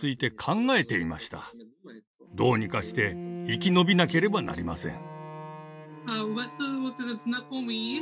どうにかして生き延びなければなりません。